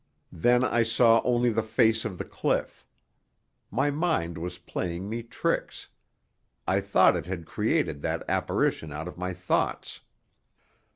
Then I saw only the face of the cliff. My mind was playing me tricks; I thought it had created that apparition out of my thoughts.